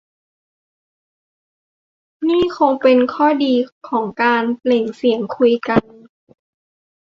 นี่คงเป็นข้อดีของการ "เปล่งเสียง" คุยกัน